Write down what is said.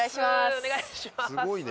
お願いします。